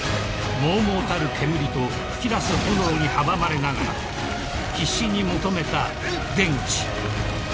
［もうもうたる煙と噴き出す炎に阻まれながら必死に求めた出口］